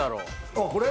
あっこれ？